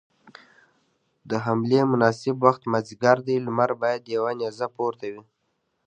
د حملې مناسب وخت مازديګر دی، لمر بايد يوه نيزه پورته وي.